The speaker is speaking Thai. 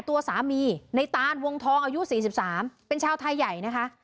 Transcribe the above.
ตัวสามีในตานวงทองอายุ๔๓เป็นชาวไทยใหญ่นะคะ